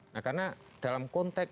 nah karena dalam konteks